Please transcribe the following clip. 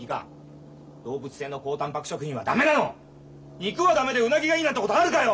肉は駄目でうなぎがいいなんてことあるかよ！